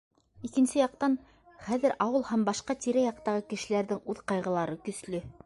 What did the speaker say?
Икенсе яҡтан, хәҙер ауыл һәм башҡа тирә-яҡтағы кешеләрҙең үҙ ҡайғылары көслө.